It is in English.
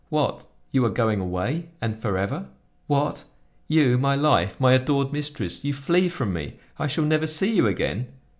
What! you are going away? And forever? What! you, my life, my adored mistress, you flee from me; I shall never see you again?